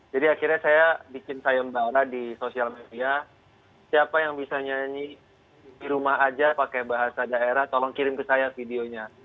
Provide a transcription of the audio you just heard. jadi akhirnya saya bikin sayang bahwa di sosial media siapa yang bisa nyanyi dirumah aja pakai bahasa daerah tolong kirim ke saya videonya